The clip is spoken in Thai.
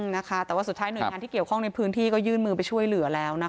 นะคะแต่ว่าสุดท้ายหน่วยงานที่เกี่ยวข้องในพื้นที่ก็ยื่นมือไปช่วยเหลือแล้วนะคะ